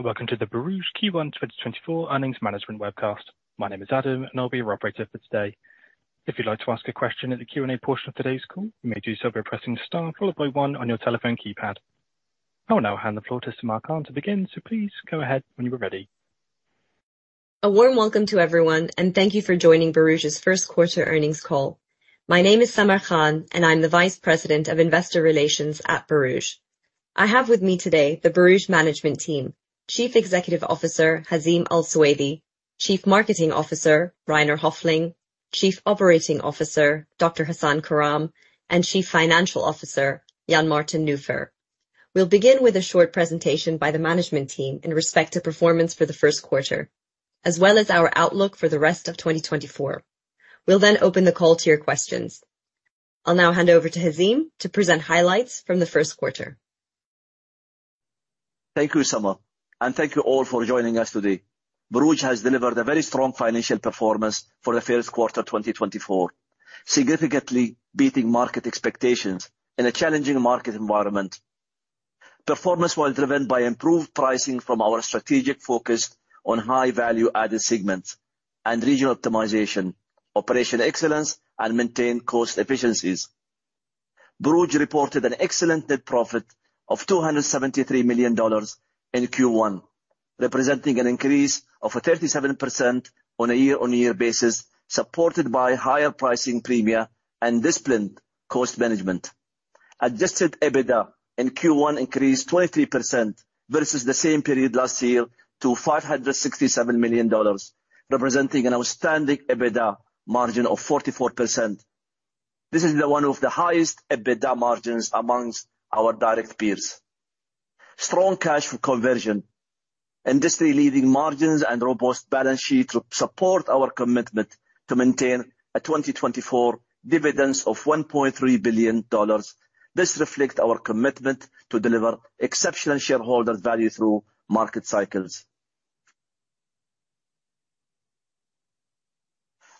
Welcome to the Borouge Q1 2024 Earnings Management Webcast. My name is Adam, and I'll be your operator for today. If you'd like to ask a question in the Q&A portion of today's call, you may do so by pressing star followed by one on your telephone keypad. I will now hand the floor to Samar Khan to begin, so please go ahead when you are ready. A warm welcome to everyone, and thank you for joining Borouge's first quarter earnings call. My name is Samar Khan, and I'm the Vice President of Investor Relations at Borouge. I have with me today the Borouge management team: Chief Executive Officer, Hazeem Al Suwaidi; Chief Marketing Officer, Rainer Hoefling; Chief Operating Officer, Dr. Hassan Karam; and Chief Financial Officer, Jan-Martin Nufer. We'll begin with a short presentation by the management team in respect to performance for the first quarter, as well as our outlook for the rest of 2024. We'll then open the call to your questions. I'll now hand over to Hazeem to present highlights from the first quarter. Thank you, Samar, and thank you all for joining us today. Borouge has delivered a very strong financial performance for the first quarter, 2024, significantly beating market expectations in a challenging market environment. Performance was driven by improved pricing from our strategic focus on high value-added segments and regional optimization, operational excellence, and maintain cost efficiencies. Borouge reported an excellent net profit of $273 million in Q1, representing an increase of 37% on a year-on-year basis, supported by higher pricing premia and disciplined cost management. Adjusted EBITDA in Q1 increased 23% versus the same period last year to $567 million, representing an outstanding EBITDA margin of 44%. This is the one of the highest EBITDA margins amongst our direct peers. Strong cash conversion, industry-leading margins, and robust balance sheet support our commitment to maintain 2024 dividends of $1.3 billion. This reflect our commitment to deliver exceptional shareholder value through market cycles.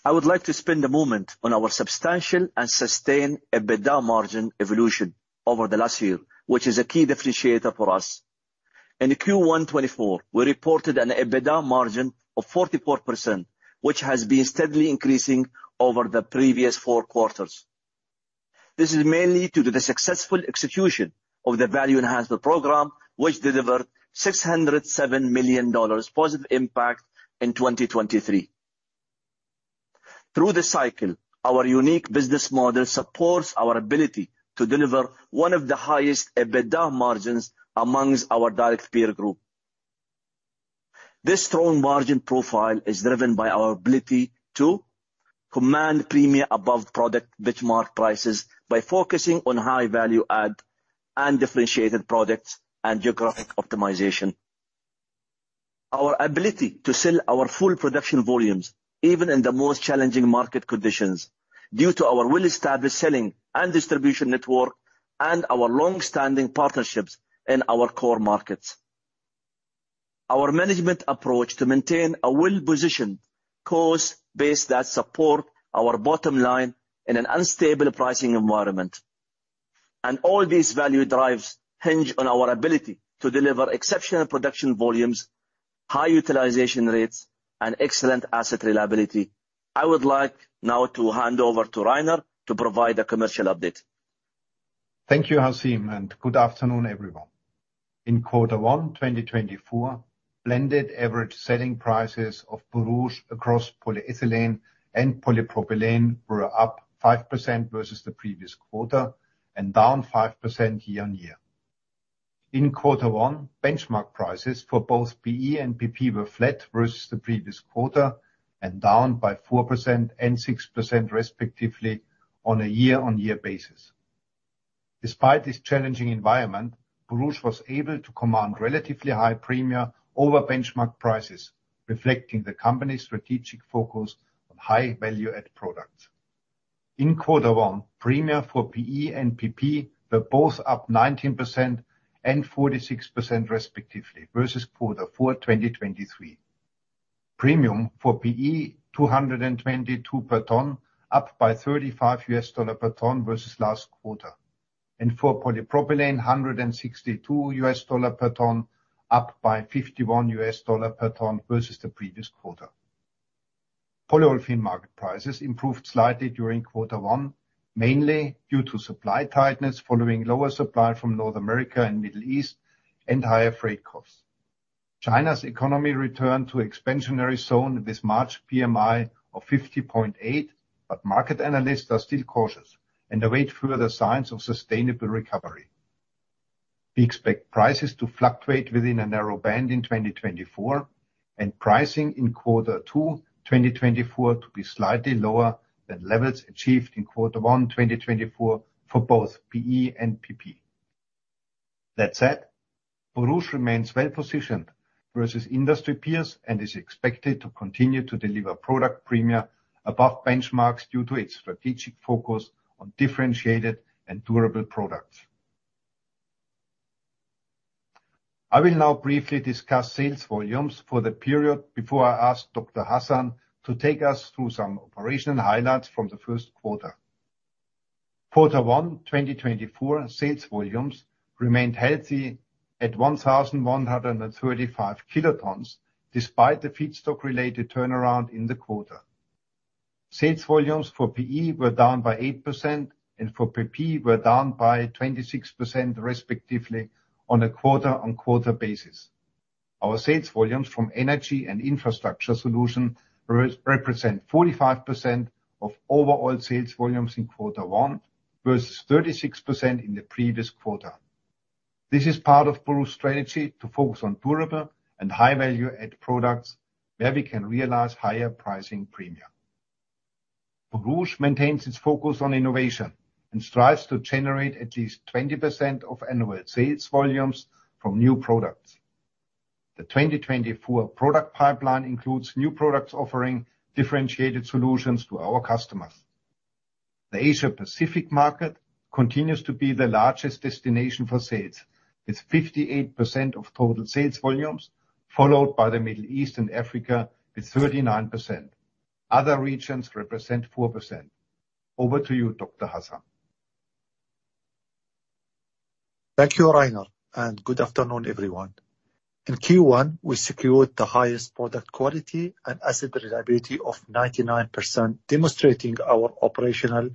I would like to spend a moment on our substantial and sustained EBITDA margin evolution over the last year, which is a key differentiator for us. In Q1 2024, we reported an EBITDA margin of 44%, which has been steadily increasing over the previous four quarters. This is mainly due to the successful execution of the Value Enhancement Programme, which delivered $607 million positive impact in 2023. Through the cycle, our unique business model supports our ability to deliver one of the highest EBITDA margins amongst our direct peer group. This strong margin profile is driven by our ability to command premium above product benchmark prices by focusing on high value add and differentiated products and geographic optimization. Our ability to sell our full production volumes, even in the most challenging market conditions, due to our well-established selling and distribution network and our long-standing partnerships in our core markets. Our management approach to maintain a well-positioned cost base that support our bottom line in an unstable pricing environment. All these value drives hinge on our ability to deliver exceptional production volumes, high utilization rates, and excellent asset reliability. I would like now to hand over to Rainer to provide a commercial update. Thank you, Hazeem, and good afternoon, everyone. In quarter one, 2024, blended average selling prices of Borouge across polyethylene and polypropylene were up 5% versus the previous quarter and down 5% year-on-year. In quarter one, benchmark prices for both PE and PP were flat versus the previous quarter and down by 4% and 6% respectively on a year-on-year basis. Despite this challenging environment, Borouge was able to command relatively high premia over benchmark prices, reflecting the company's strategic focus on high value-add products. In quarter one, premia for PE and PP were both up 19% and 46%, respectively, versus quarter four, 2023. Premium for PE, $222 per ton, up by $35 per ton versus last quarter, and for polypropylene, $162 per ton, up by $51 per ton versus the previous quarter. Polyolefin market prices improved slightly during quarter one, mainly due to supply tightness following lower supply from North America and Middle East and higher freight costs. China's economy returned to expansionary zone this March, PMI of 50.8, but market analysts are still cautious and await further signs of sustainable recovery. We expect prices to fluctuate within a narrow band in 2024, and pricing in quarter two, 2024, to be slightly lower than levels achieved in quarter one, 2024, for both PE and PP. That said, Borouge remains well positioned versus industry peers and is expected to continue to deliver product premia above benchmarks due to its strategic focus on differentiated and durable products. I will now briefly discuss sales volumes for the period before I ask Dr. Hassan to take us through some operational highlights from the first quarter.... Quarter one, 2024 sales volumes remained healthy at 1,135 kilotons, despite the feedstock-related turnaround in the quarter. Sales volumes for PE were down by 8% and for PP were down by 26%, respectively, on a quarter-on-quarter basis. Our sales volumes from Energy and Infrastructure Solutions represent 45% of overall sales volumes in quarter one, versus 36% in the previous quarter. This is part of Borouge's strategy to focus on durable and high value-add products, where we can realize higher pricing premium. Borouge maintains its focus on innovation and strives to generate at least 20% of annual sales volumes from new products. The 2024 product pipeline includes new products offering differentiated solutions to our customers. The Asia Pacific market continues to be the largest destination for sales, with 58% of total sales volumes, followed by the Middle East and Africa with 39%. Other regions represent 4%. Over to you, Dr. Hassan. Thank you, Rainer, and good afternoon, everyone. In Q1, we secured the highest product quality and asset reliability of 99%, demonstrating our operational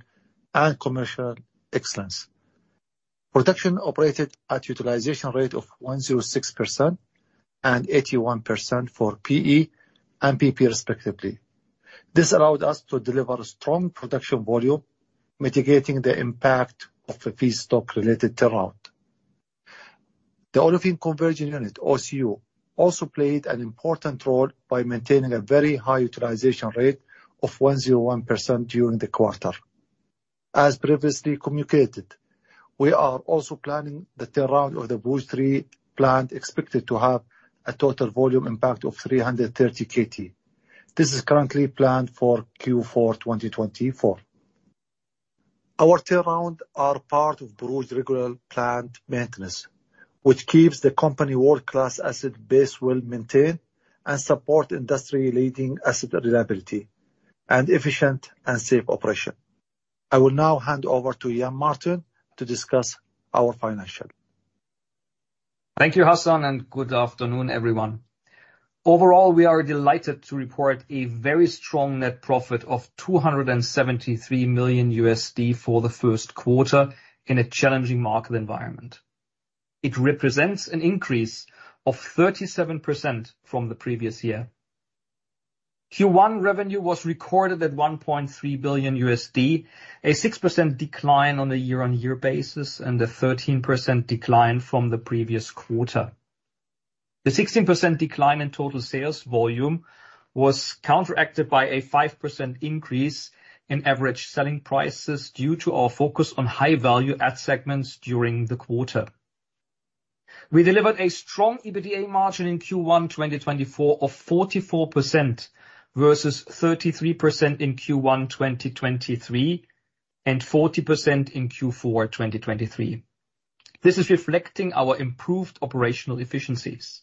and commercial excellence. Production operated at utilization rate of 106% and 81% for PE and PP, respectively. This allowed us to deliver strong production volume, mitigating the impact of a feedstock-related turnaround. The Olefin Conversion Unit, OCU, also played an important role by maintaining a very high utilization rate of 101% during the quarter. As previously communicated, we are also planning the turnaround of the Borouge 3 plant, expected to have a total volume impact of 330 KT. This is currently planned for Q4 2024. Our turnaround are part of Borouge regular plant maintenance, which keeps the company world-class asset base well-maintained and support industry-leading asset reliability and efficient and safe operation. I will now hand over to Jan-Martin Nufer to discuss our financial. Thank you, Hassan, and good afternoon, everyone. Overall, we are delighted to report a very strong net profit of $273 million for the first quarter in a challenging market environment. It represents an increase of 37% from the previous year. Q1 revenue was recorded at $1.3 billion, a 6% decline on a year-on-year basis and a 13% decline from the previous quarter. The 16% decline in total sales volume was counteracted by a 5% increase in average selling prices due to our focus on high value-add segments during the quarter. We delivered a strong EBITDA margin in Q1 2024 of 44%, versus 33% in Q1 2023, and 40% in Q4 2023. This is reflecting our improved operational efficiencies.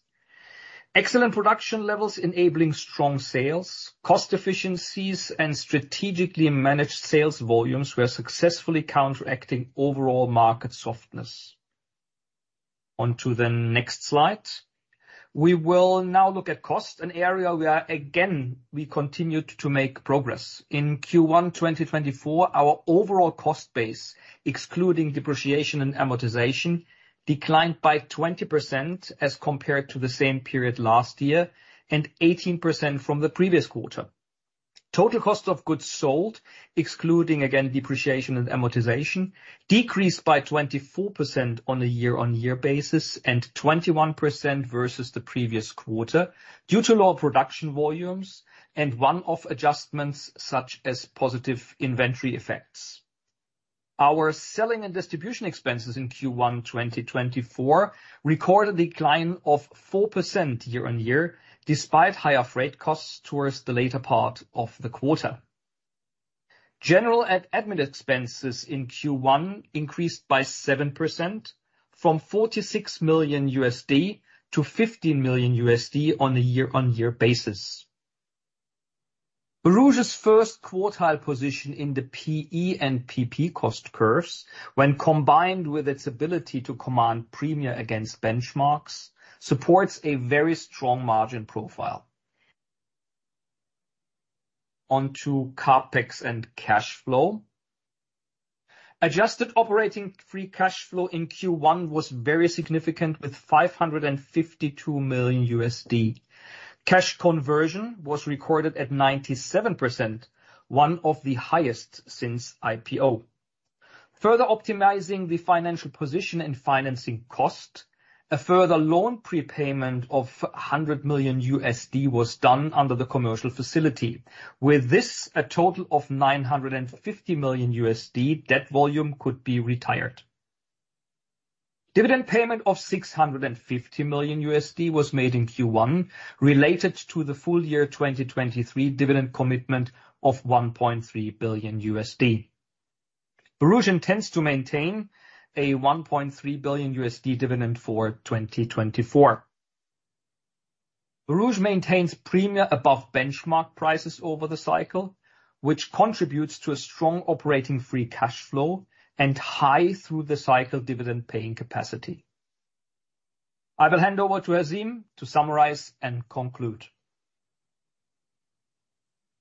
Excellent production levels enabling strong sales, cost efficiencies, and strategically managed sales volumes were successfully counteracting overall market softness. On to the next slide. We will now look at cost, an area where again, we continued to make progress. In Q1, 2024, our overall cost base, excluding depreciation and amortization, declined by 20% as compared to the same period last year, and 18% from the previous quarter. Total cost of goods sold, excluding, again, depreciation and amortization, decreased by 24% on a year-on-year basis and 21% versus the previous quarter due to lower production volumes and one-off adjustments, such as positive inventory effects. Our selling and distribution expenses in Q1, 2024 recorded a decline of 4% year-on-year, despite higher freight costs towards the later part of the quarter. General and admin expenses in Q1 increased by 7% from $46 million to $50 million on a year-on-year basis. Borouge's first quartile position in the PE and PP cost curves, when combined with its ability to command premium against benchmarks, supports a very strong margin profile. On to CapEx and cash flow. Adjusted operating free cash flow in Q1 was very significant, with $552 million. Cash conversion was recorded at 97%, one of the highest since IPO. Further optimizing the financial position and financing cost, a further loan prepayment of $100 million was done under the commercial facility. With this, a total of $950 million debt volume could be retired. Dividend payment of $650 million was made in Q1, related to the full year 2023 dividend commitment of $1.3 billion. Borouge intends to maintain a $1.3 billion dividend for 2024.... Borouge maintains premium above benchmark prices over the cycle, which contributes to a strong operating free cash flow and high through the cycle dividend paying capacity. I will hand over to Hazeem to summarize and conclude.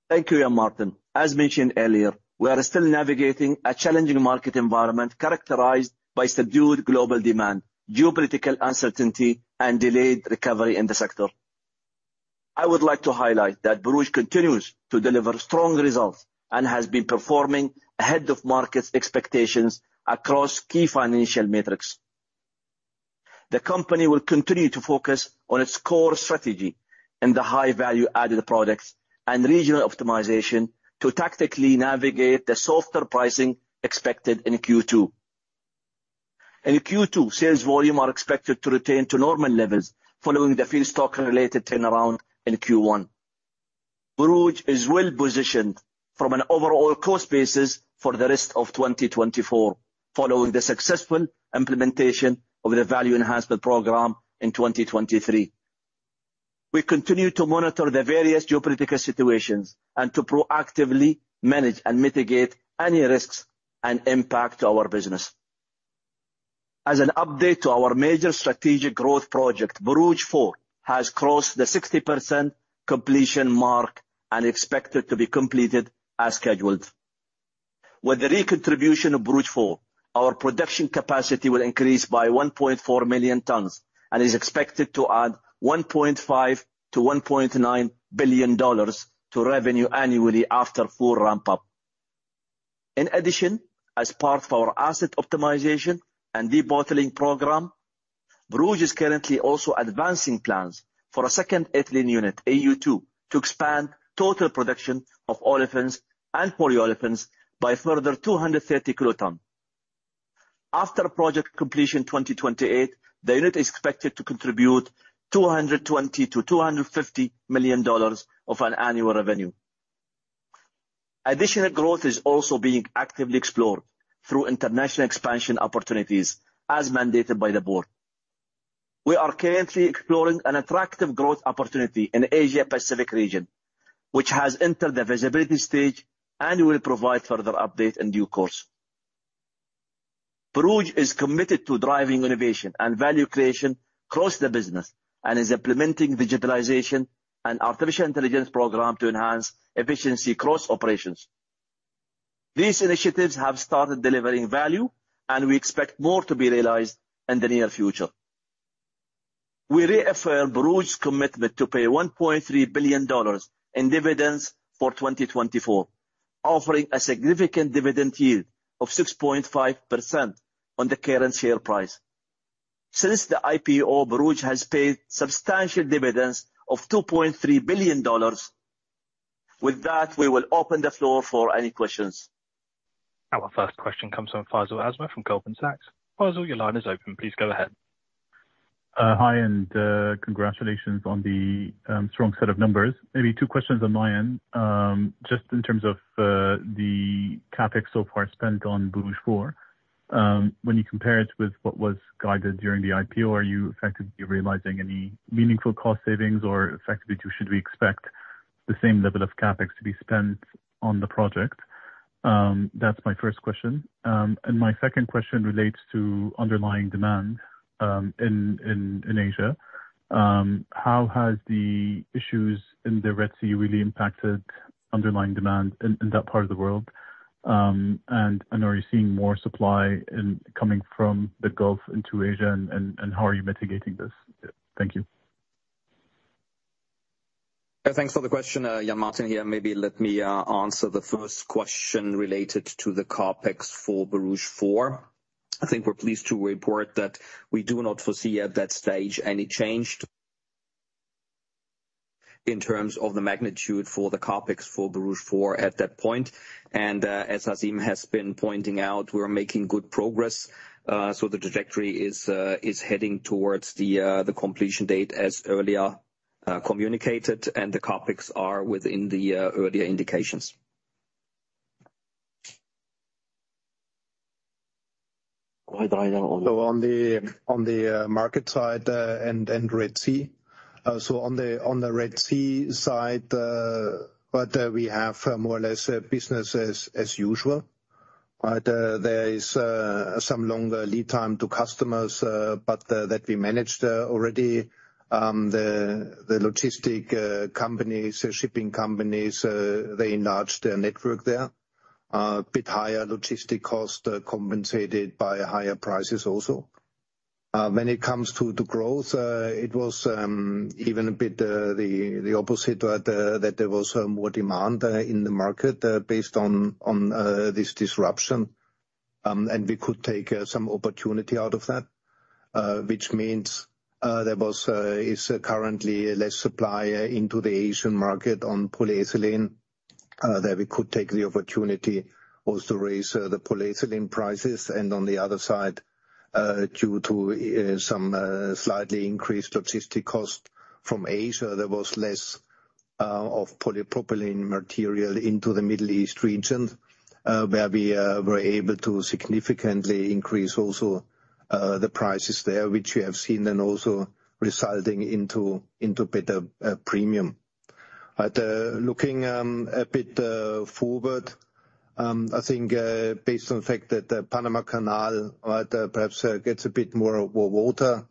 Thank you, Jan-Martin. As mentioned earlier, we are still navigating a challenging market environment characterized by subdued global demand, geopolitical uncertainty, and delayed recovery in the sector. I would like to highlight that Borouge continues to deliver strong results and has been performing ahead of market's expectations across key financial metrics. The company will continue to focus on its core strategy in the high value-added products and regional optimization to tactically navigate the softer pricing expected in Q2. In Q2, sales volume are expected to return to normal levels following the feedstock-related turnaround in Q1. Borouge is well positioned from an overall cost basis for the rest of 2024, following the successful implementation of the Value Enhancement Programme in 2023. We continue to monitor the various geopolitical situations and to proactively manage and mitigate any risks and impact to our business. As an update to our major strategic growth project, Borouge 4 has crossed the 60% completion mark and expected to be completed as scheduled. With the recontribution of Borouge 4, our production capacity will increase by 1.4 million tons and is expected to add $1.5 billion-$1.9 billion to revenue annually after full ramp-up. In addition, as part of our asset optimization and debottlenecking program, Borouge is currently also advancing plans for a second ethylene unit, EU2, to expand total production of olefins and polyolefins by a further 230 kiloton. After project completion 2028, the unit is expected to contribute $220 million-$250 million of an annual revenue. Additional growth is also being actively explored through international expansion opportunities as mandated by the board. We are currently exploring an attractive growth opportunity in Asia Pacific region, which has entered the visibility stage and will provide further update in due course. Borouge is committed to driving innovation and value creation across the business and is implementing digitalization and artificial intelligence program to enhance efficiency across operations. These initiatives have started delivering value, and we expect more to be realized in the near future. We reaffirm Borouge's commitment to pay $1.3 billion in dividends for 2024, offering a significant dividend yield of 6.5% on the current share price. Since the IPO, Borouge has paid substantial dividends of $2.3 billion. With that, we will open the floor for any questions. Our first question comes from Faisal Al Azmeh, from Goldman Sachs. Faisal, your line is open. Please go ahead. Hi, and congratulations on the strong set of numbers. Maybe two questions on my end. Just in terms of the CapEx so far spent on Borouge 4, when you compare it with what was guided during the IPO, are you effectively realizing any meaningful cost savings? Or effectively, too, should we expect the same level of CapEx to be spent on the project? That's my first question. And my second question relates to underlying demand in Asia. How has the issues in the Red Sea really impacted underlying demand in that part of the world? And are you seeing more supply coming from the Gulf into Asia, and how are you mitigating this? Thank you. Thanks for the question. Jan-Martin here. Maybe let me answer the first question related to the CapEx for Borouge 4. I think we're pleased to report that we do not foresee, at that stage, any change in terms of the magnitude for the CapEx for Borouge 4 at that point. And, as Hazeem has been pointing out, we're making good progress. So the trajectory is heading towards the completion date as earlier communicated, and the CapEx are within the earlier indications. So on the market side and Red Sea. So on the Red Sea side, but we have more or less business as usual. But there is some longer lead time to customers, but that we managed already. The logistics companies, the shipping companies, they enlarged their network there. Bit higher logistics cost, compensated by higher prices also. When it comes to the growth, it was even a bit the opposite, but that there was more demand in the market based on this disruption. And we could take some opportunity out of that, which means is currently less supply into the Asian market on polyethylene, that we could take the opportunity also to raise the polyethylene prices. And on the other side, due to some slightly increased logistic cost from Asia, there was less-... of polypropylene material into the Middle East region, where we were able to significantly increase also the prices there, which we have seen, and also resulting into better premium. But looking a bit forward, I think, based on the fact that the Panama Canal, right, perhaps gets a bit more water,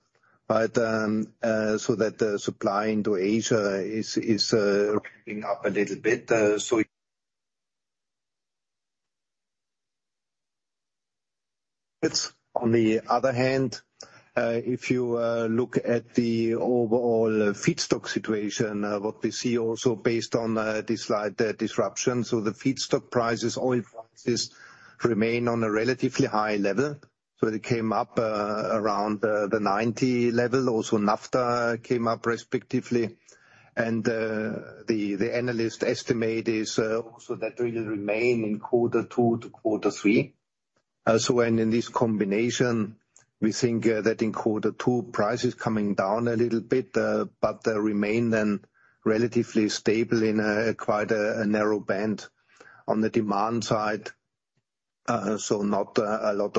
but so that the supply into Asia is creeping up a little bit. So it's on the other hand, if you look at the overall feedstock situation, what we see also based on this slight disruption. So the feedstock prices, oil prices, remain on a relatively high level. So they came up around the $90 level. Also, naphtha came up respectively, and the analyst estimate is also that will remain in quarter two to quarter three. Also, when in this combination, we think that in quarter two, prices coming down a little bit, but they remain then relatively stable in quite a narrow band on the demand side. So not a lot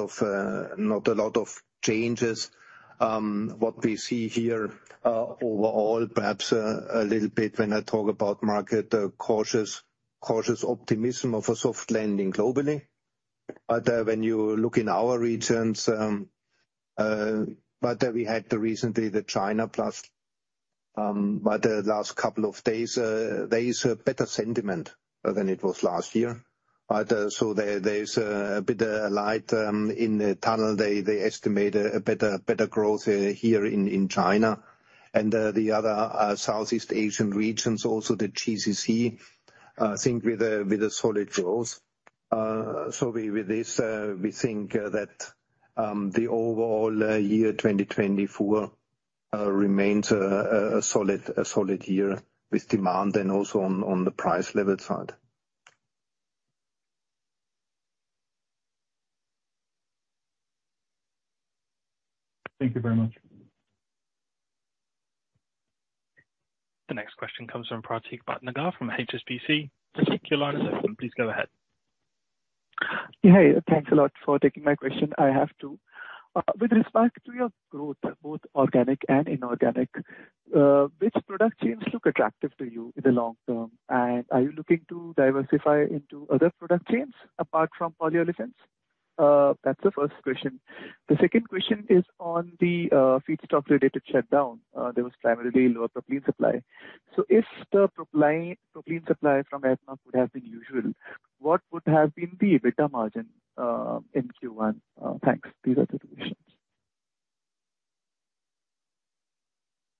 of changes. What we see here overall, perhaps a little bit when I talk about market cautious optimism of a soft landing globally. But when you look in our regions, but we had recently the China PMI, but the last couple of days, there is a better sentiment than it was last year. But so there is a bit light in the tunnel. They estimate a better growth here in China and the other Southeast Asian regions, also the GCC, I think with a solid growth. So with this, we think that the overall year 2024 remains a solid year with demand and also on the price level side. Thank you very much. The next question comes from Prateek Bhatnagar from HSBC. Prateek, your line is open. Please go ahead. Yeah, thanks a lot for taking my question. I have two. With respect to your growth, both organic and inorganic, which product teams look attractive to you in the long term? And are you looking to diversify into other product chains apart from polyolefins? That's the first question. The second question is on the feedstock-related shutdown. There was primarily lower propylene supply. So if the propylene, propylene supply from ADNOC would have been usual, what would have been the EBITDA margin in Q1? Thanks. These are the two questions.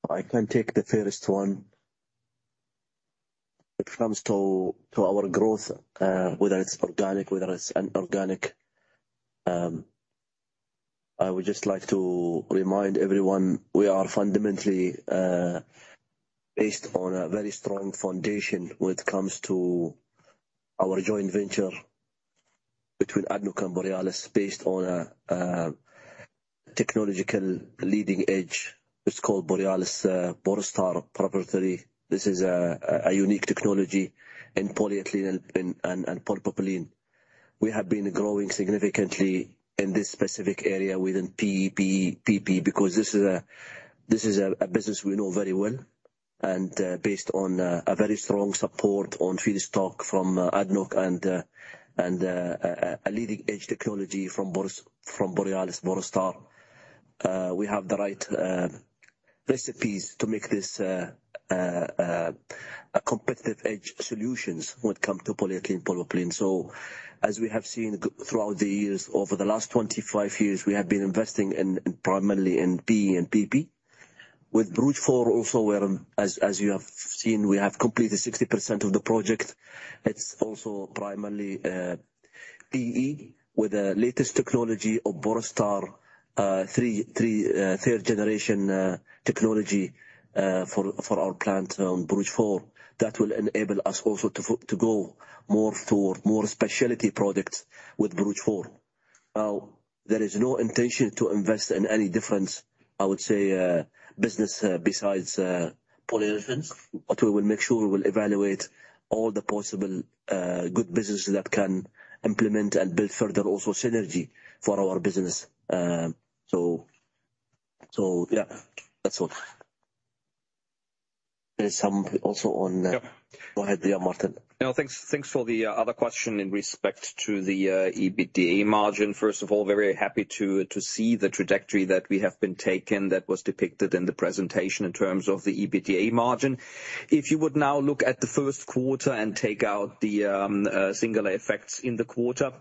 I can take the first one. When it comes to our growth, whether it's organic, whether it's inorganic, I would just like to remind everyone, we are fundamentally based on a very strong foundation when it comes to our joint venture between ADNOC and Borealis, based on a technological leading edge. It's called Borealis Borstar proprietary. This is a unique technology in polyethylene and polypropylene. We have been growing significantly in this specific area within PE, PP, because this is a business we know very well. Based on a very strong support on feedstock from ADNOC and a leading-edge technology from Borealis Borstar, we have the right recipes to make this a competitive edge solutions when it come to polyethylene, polypropylene. So as we have seen throughout the years, over the last 25 years, we have been investing in, in primarily in PE and PP. With Borouge 4 also, as, as you have seen, we have completed 60% of the project. It's also primarily PE with the latest technology of Borstar third generation technology for, for our plant on Borouge 4. That will enable us also to go more toward more specialty products with Borouge 4. There is no intention to invest in any different, I would say, business besides polyolefins. But we will make sure we will evaluate all the possible good businesses that can implement and build further also synergy for our business. So, so yeah, that's all. There's some also on, Yeah. Go ahead there, Martin. No, thanks. Thanks for the other question in respect to the EBITDA margin. First of all, very happy to see the trajectory that we have been taken that was depicted in the presentation in terms of the EBITDA margin. If you would now look at the first quarter and take out the singular effects in the quarter,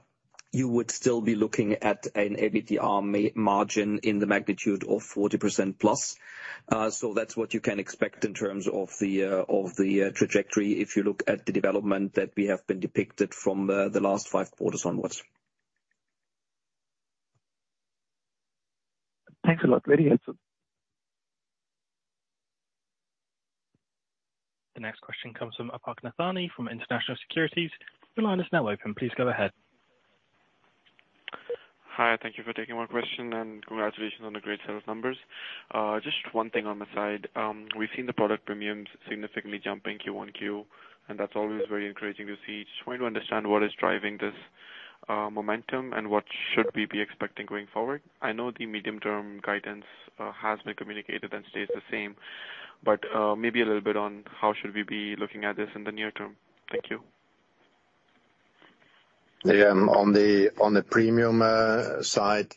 you would still be looking at an EBITDA margin in the magnitude of 40% plus. So that's what you can expect in terms of the trajectory, if you look at the development that we have been depicted from the last five quarters onwards. Thanks a lot. Very helpful. The next question comes from Afaq Nathani, from International Securities. Your line is now open. Please go ahead. ... Hi, thank you for taking my question, and congratulations on the great set of numbers. Just one thing on the side. We've seen the product premiums significantly jump in Q1, and that's always very encouraging to see. Just want to understand what is driving this momentum, and what should we be expecting going forward? I know the medium-term guidance has been communicated and stays the same, but maybe a little bit on how should we be looking at this in the near term. Thank you. Yeah, on the premium side,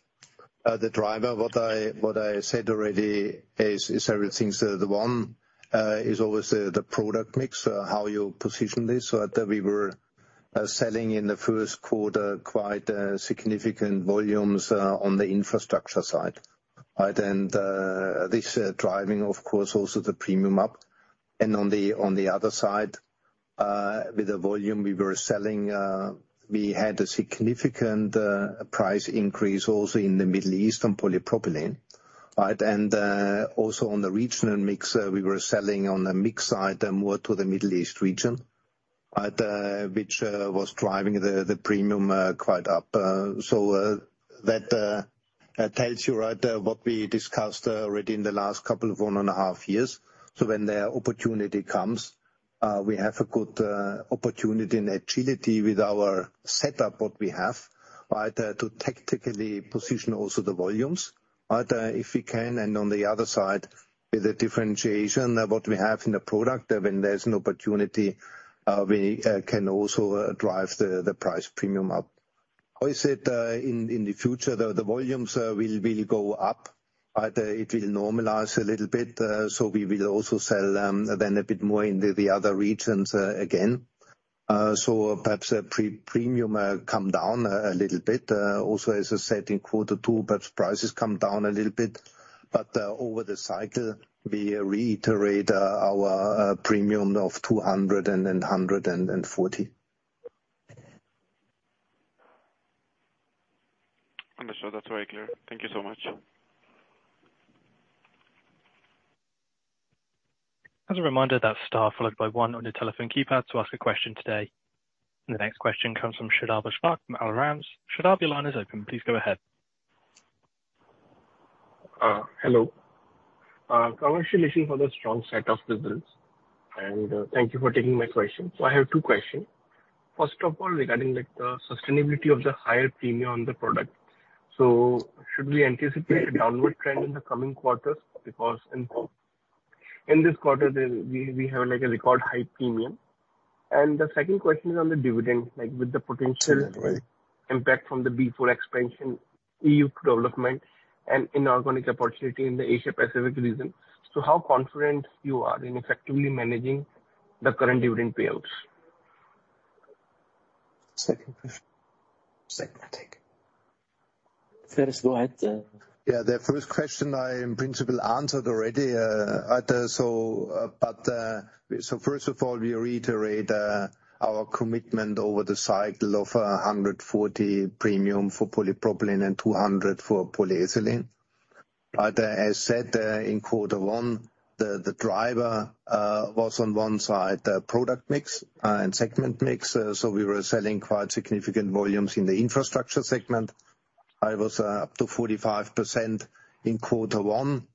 the driver, what I said already is everything. So the one is always the product mix, how you position this. So that we were selling in the first quarter quite significant volumes on the infrastructure side, right? And this driving, of course, also the premium up. And on the other side, with the volume we were selling, we had a significant price increase also in the Middle East on polypropylene, right? And also on the regional mix, we were selling on the mix side, more to the Middle East region, right, which was driving the premium quite up. So, that tells you right what we discussed already in the last couple of one and a half years. So when the opportunity comes, we have a good opportunity and agility with our setup, what we have, right, to tactically position also the volumes, right? If we can, and on the other side, with the differentiation that what we have in the product, when there's an opportunity, we can also drive the price premium up. How is it in the future, the volumes will go up, but it will normalize a little bit, so we will also sell then a bit more in the other regions again. So perhaps a price premium come down a little bit. Also, as I said, in quarter two, perhaps prices come down a little bit, but over the cycle, we reiterate our premium of $200 and then $140. Understood. That's very clear. Thank you so much. As a reminder, that's star followed by one on your telephone keypad to ask a question today. The next question comes from Shehbaz Shaikh from Al Ramz. Shehbaz, your line is open. Please go ahead. Hello. Congratulations on the strong set of results, and thank you for taking my question. So I have two questions. First of all, regarding, like, the sustainability of the higher premium on the product. So should we anticipate a downward trend in the coming quarters? Because in this quarter, we have, like, a record high premium. And the second question is on the dividend, like, with the potential impact from the B4 expansion, EU development and inorganic opportunity in the Asia Pacific region. So how confident you are in effectively managing the current dividend payouts? Second question. Second, I take. First, go ahead. Yeah, the first question I in principle answered already, so, but, so first of all, we reiterate our commitment over the cycle of $140 premium for polypropylene and $200 for polyethylene. But as said, in quarter one, the driver was on one side, product mix and segment mix. So we were selling quite significant volumes in the infrastructure segment. I was up to 45% in quarter one,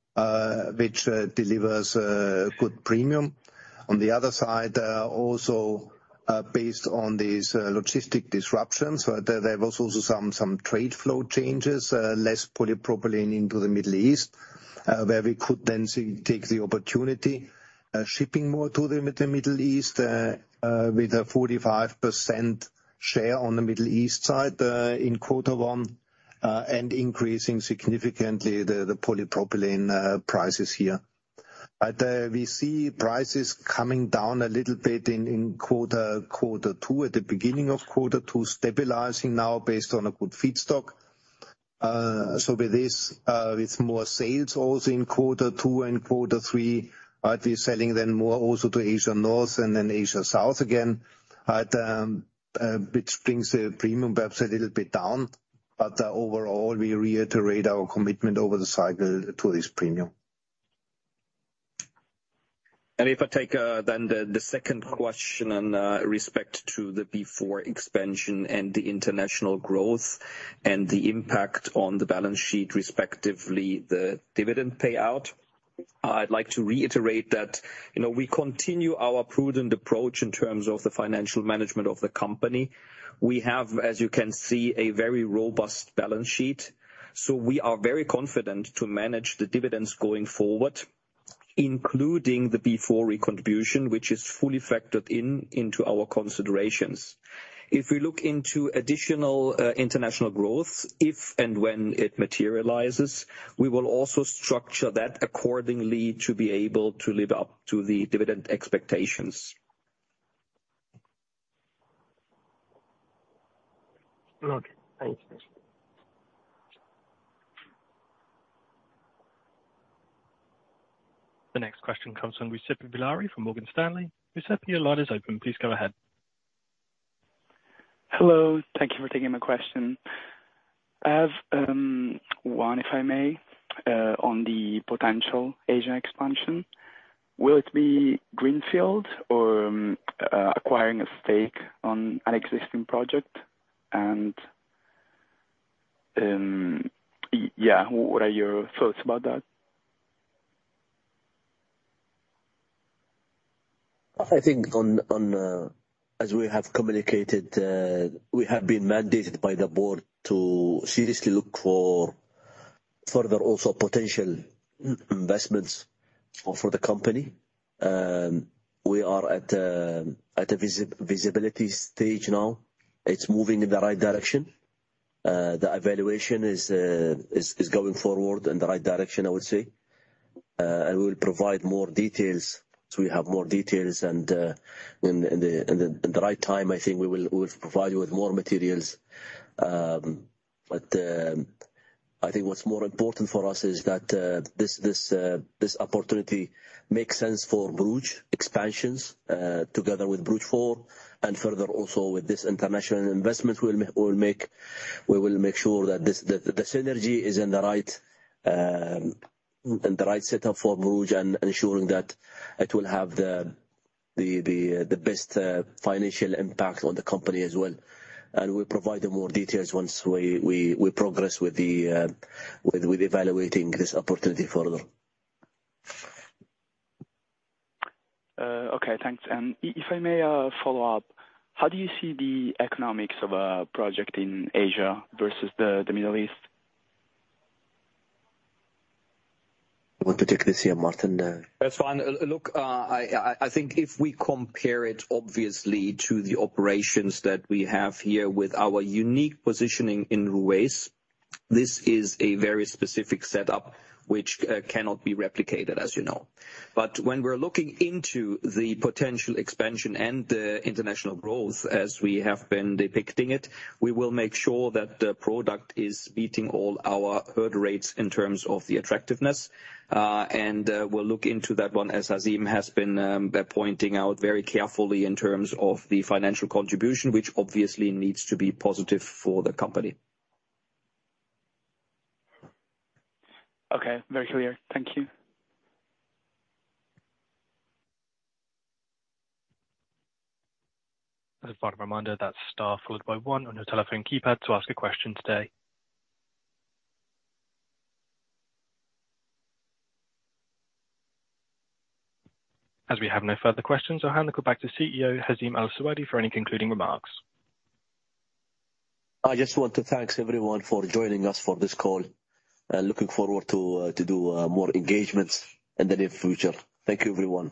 which delivers good premium. On the other side, also, based on these logistic disruptions, there was also some trade flow changes, less polypropylene into the Middle East, where we could then take the opportunity, shipping more to the Middle East, with a 45% share on the Middle East side, in quarter one, and increasing significantly the polypropylene prices here. But we see prices coming down a little bit in quarter two, at the beginning of quarter two, stabilizing now based on a good feedstock. So with this, with more sales also in quarter two and quarter three, they're selling then more also to Asia North and then Asia South again, which brings the premium perhaps a little bit down. Overall, we reiterate our commitment over the cycle to this premium. And if I take, then the, the second question on, respect to the B4 expansion and the international growth and the impact on the balance sheet, respectively, the dividend payout, I'd like to reiterate that, you know, we continue our prudent approach in terms of the financial management of the company. We have, as you can see, a very robust balance sheet. So we are very confident to manage the dividends going forward, including the B4 recontribution, which is fully factored in into our considerations. If we look into additional, international growth, if and when it materializes, we will also structure that accordingly to be able to live up to the dividend expectations. Okay. Thank you. The next question comes from Youssef Bari, from Morgan Stanley. Giuseppe, your line is open. Please go ahead. Hello. Thank you for taking my question. As-... One, if I may, on the potential Asian expansion. Will it be greenfield or acquiring a stake on an existing project? And, yeah, what are your thoughts about that? I think, as we have communicated, we have been mandated by the board to seriously look for further also potential investments for the company. We are at a visibility stage now. It's moving in the right direction. The evaluation is going forward in the right direction, I would say. And we'll provide more details as we have more details, and in the right time, I think we will provide you with more materials. But I think what's more important for us is that this opportunity makes sense for Borouge expansions, together with Borouge 4, and further also with this international investment we'll make. We will make sure that this synergy is in the right setup for Borouge and ensuring that it will have the best financial impact on the company as well. And we'll provide you more details once we progress with evaluating this opportunity further. Okay, thanks. If I may, follow up, how do you see the economics of a project in Asia versus the Middle East? What particular here, Martin? That's fine. Look, I think if we compare it obviously to the operations that we have here with our unique positioning in Ruwais, this is a very specific setup, which cannot be replicated, as you know. But when we're looking into the potential expansion and international growth, as we have been depicting it, we will make sure that the product is beating all our hurdle rates in terms of the attractiveness. And we'll look into that one, as Hazeem has been pointing out very carefully in terms of the financial contribution, which obviously needs to be positive for the company. Okay. Very clear. Thank you. As a part of a reminder, that's star followed by one on your telephone keypad to ask a question today. As we have no further questions, I'll hand it back to CEO, Hazeem Al Suwaidi, for any concluding remarks. I just want to thank everyone for joining us for this call, and looking forward to to do more engagements in the near future. Thank you, everyone.